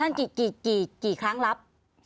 ท่านกี่ครั้งรับ